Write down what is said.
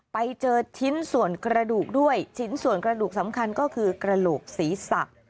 ไปเจอชิ้นส่วนกระดูกด้วยชิ้นส่วนกระดูกสำคัญก็คือกระโหลกศีรษะ